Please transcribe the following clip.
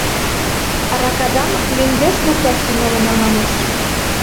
— Аракадам мӧҥгеш лукташ тӱҥалына, — манеш.